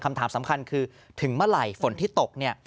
คำถามสำคัญคือถึงเมื่อไหร่ฝนที่ตกเนี่ย